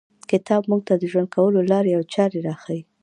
کتاب موږ ته د ژوند کولو لاري او چاري راښیي.